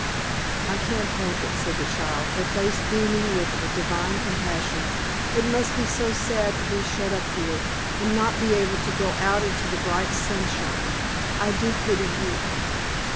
"I can't help it," said the child, her face beaming with a divine compassion; "it must be so sad to be shut up here, and not be able to go out into the bright sunshine. I do pity you."